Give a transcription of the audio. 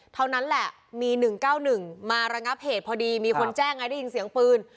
เท่านั้นแหละมี๑๙๑มาระงับเหตุพอดีมีคนแจ้งไงได้ยินเสียงปืน